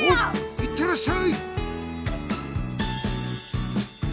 いってらっしゃい！